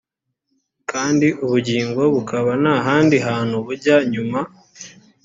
kandi ubugingo bukaba nta handi hantu bujya nyuma